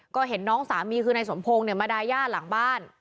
ก็เห็นน้องสามีคือนายสมพงศ์เนี่ยมาดาย่าหลังบ้าน